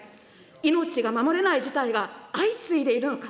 命が守れない事態が相次いでいるのか。